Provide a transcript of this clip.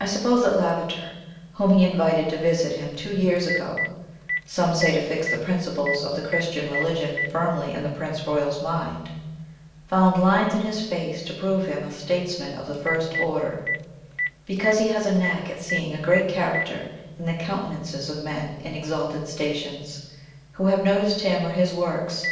I suppose that Lavater, whom he invited to visit him two years ago some say to fix the principles of the Christian religion firmly in the Prince Royal's mind, found lines in his face to prove him a statesman of the first order; because he has a knack at seeing a great character in the countenances of men in exalted stations, who have noticed him or his works.